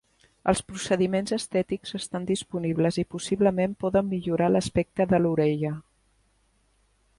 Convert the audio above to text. Els procediments estètics estan disponibles i possiblement poden millorar l'aspecte de l'orella.